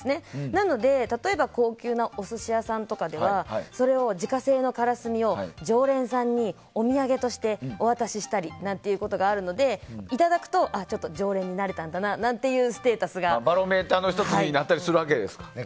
なので、例えば高級なお寿司屋さんとかでは自家製のからすみを常連さんにお土産としてお渡ししたりすることがあるのでいただくと常連になれたんだなとバロメーターの１つになったりするわけですね。